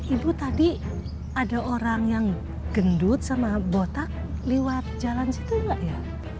ibu tadi ada orang yang gendut sama botak lewat jalan situ nggak ya